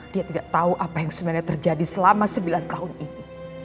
dia tidak tahu apa yang sebenarnya terjadi selama sembilan tahun ini